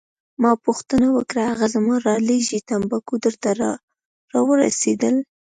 ما پوښتنه وکړه: هغه زما رالیږلي تمباکو درته راورسیدل؟